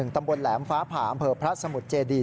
ตำบลแหลมฟ้าผ่าอำเภอพระสมุทรเจดี